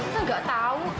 gue gak tau